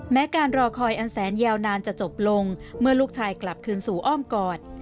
การรอคอยอันแสนยาวนานจะจบลงเมื่อลูกชายกลับคืนสู่อ้อมกอด